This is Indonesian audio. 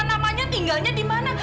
namanya tinggalnya di mana